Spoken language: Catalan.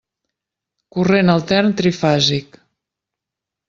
Corrent altern trifàsic.